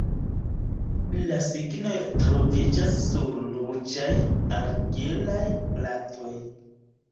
La signoj troviĝas sur ruĝaj argilaj platoj.